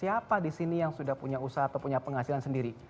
siapa di sini yang sudah punya usaha atau punya penghasilan sendiri